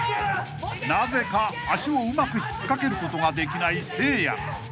［なぜか足をうまく引っかけることができないせいや］